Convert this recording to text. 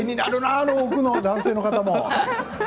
あの奥の男性の方も。